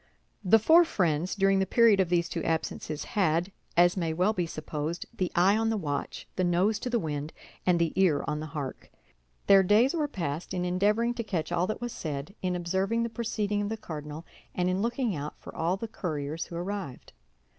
The four friends, during the period of these two absences, had, as may well be supposed, the eye on the watch, the nose to the wind, and the ear on the hark. Their days were passed in endeavoring to catch all that was said, in observing the proceeding of the cardinal, and in looking out for all the couriers who arrived.